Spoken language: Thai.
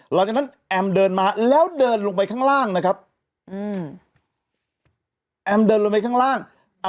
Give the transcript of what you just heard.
แอมเดินมาแล้วเดินลงไปข้างล่างนะครับอืมแอมเดินลงไปข้างล่าง